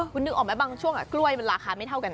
คุณนึกออกไหมบางช่วงกล้วยมันราคาไม่เท่ากัน